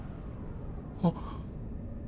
あっ。